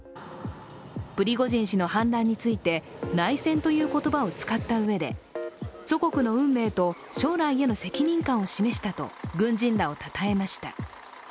プリゴジン氏の反乱について内戦という言葉を使ったうえで祖国の運命と将来への責任感を示したと、軍人らをたたえました。